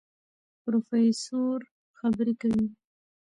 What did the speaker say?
پروفېسر خبرې کوي.